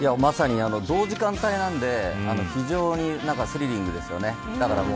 同時間帯なので非常にスリリングですよね。